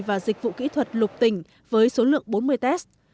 và dịch vụ kỹ thuật lục tỉnh với số lượng bốn mươi test